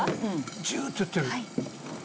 ジュっていってる。